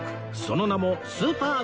その名もスーパー